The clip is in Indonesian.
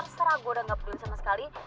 serah gue udah gak peduli sama sekali